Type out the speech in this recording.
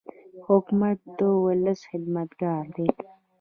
حکومت د ولس خدمتګار دی.